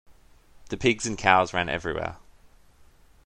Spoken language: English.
The pigs and cows ran everywhere.